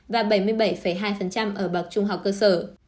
và bảy mươi bảy hai ở bậc trung học cơ sở